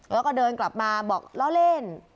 แล้วก็เดินกลับมาบอกล้อเล่น